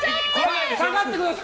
下がってください。